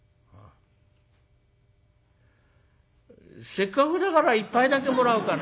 「せっかくだから一杯だけもらおうかな」。